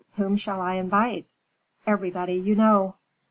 "Whom shall I invite?" "Everybody you know."